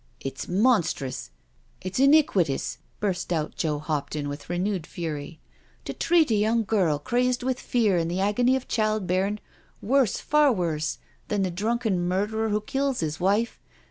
"It's monstrous! It's iniquitous/' burst out Joe Hopton, with renewed fury, " \6 treat a young girl crazed with fear an' the agony of child bearin', worse, far worse, than the drunken murderer who kills 'is wife.